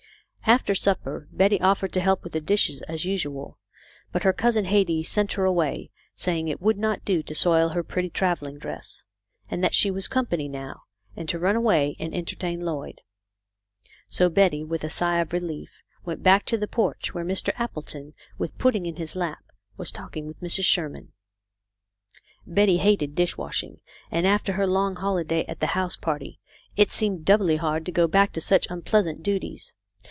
After supper Betty offered to help with the dishes as usual, but her cousin Hetty sent her away, saying it would not do to soil her pretty travelling dress ; that she was company now, and to run away and en tertain Lloyd. So Betty, with a sigh of relief, went back to the porch, where Mr. Appleton, with Pudding in his lap, was talking with Mrs. Sherman. Betty hated dish washing, and after her long holi day at the house party it seemed doubly hard to go back to such unpleasant duties.